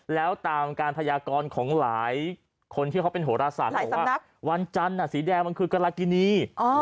แล้วตามการพยากรของหลายคนที่เขาเป็นโหรศาสตร์บอกว่าวันจันทร์สีแดงมันคือกรกินี